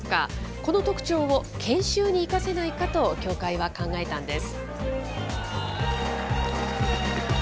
この特徴を研修に生かせないかと協会は考えたんです。